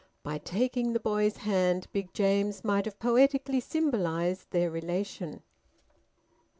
By taking the boy's hand, Big James might have poetically symbolised their relation.